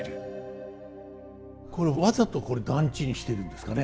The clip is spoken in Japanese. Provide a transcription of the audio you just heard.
これわざと段違にしてるんですかね。